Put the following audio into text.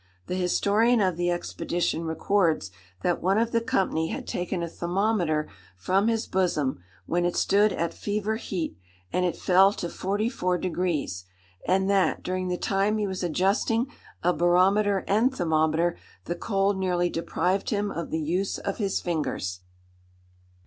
The historian of the expedition records that one of the company had taken a thermometer from his bosom, when it stood at fever heat, and it fell to 44°; and that, during the time he was adjusting a barometer and thermometer, the cold nearly deprived him of the use of his fingers.